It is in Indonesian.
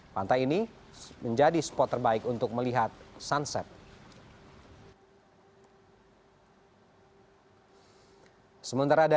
pantai ini menjadi spot terbaik untuk melihat sunset